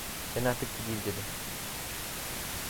"Ben artık gideyim!" dedi.